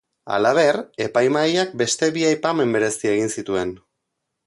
Halaber, epaimahaiak beste bi aipamen berezi egin zituen.